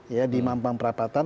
ya di mampang perapatan